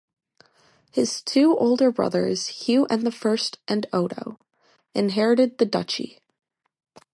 His two older brothers, Hugh the First and Odo, inherited the duchy.